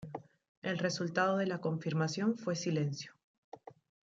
El resultado de la confirmación fue silencio.